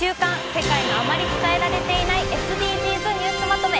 世界のあまり伝えられていないＳＤＧｓニュースまとめ」。